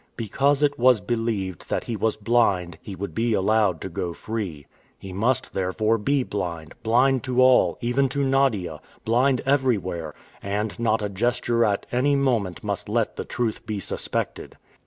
Because it was believed that he was blind, he would be allowed to go free. He must therefore be blind, blind to all, even to Nadia, blind everywhere, and not a gesture at any moment must let the truth be suspected.